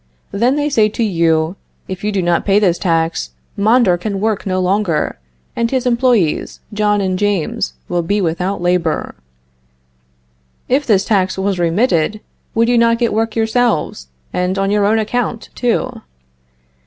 Then they say to you: If you do not pay this tax, Mondor can work no longer, and his employes, John and James, will be without labor. If this tax was remitted, would you not get work yourselves, and on your own account too?